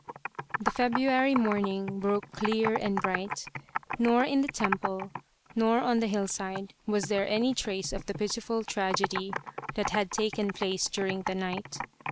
The February morning broke clear and bright. Nor in the temple nor on the hillside was there any trace of the pitiful tragedy that had taken place during the night.